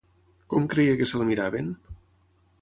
Com creia que se'l miraven?